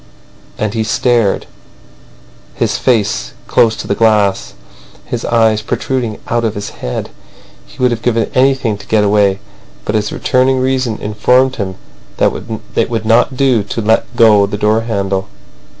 And he stared, his face close to the glass, his eyes protruding out of his head. He would have given anything to get away, but his returning reason informed him that it would not do to let go the door handle.